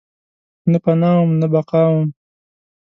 نه پناه وم ، نه بقاوم